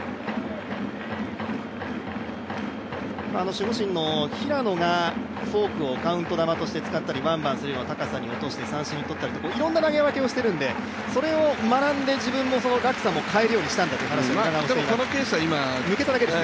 守護神の平野がフォークをカウント球として使ったりワンバンするような高さに落として三振を取ったりとかいろんな投げ分けをしてるんで、それを学んで自分も落差を変えるようにしたんだという話を宇田川もしています。